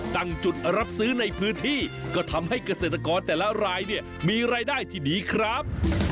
ตั้งจุดรับซื้อในพื้นที่ก็ทำให้เกษตรกรแต่ละรายเนี่ยมีรายได้ที่ดีครับ